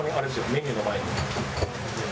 メニューの前に。